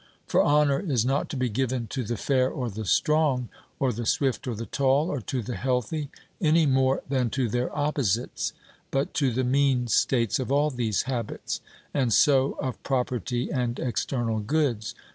For honour is not to be given to the fair or the strong, or the swift or the tall, or to the healthy, any more than to their opposites, but to the mean states of all these habits; and so of property and external goods.